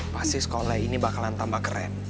pasti sekolah ini bakalan tambah keren